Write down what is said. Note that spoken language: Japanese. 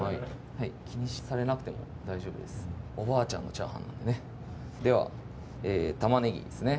気にされなくても大丈夫ですおばあちゃんの炒飯なんでねでは玉ねぎですね